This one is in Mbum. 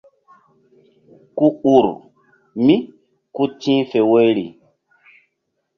Ku ur mí ku tih fe woyri.